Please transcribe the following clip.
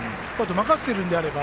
任せているのであれば。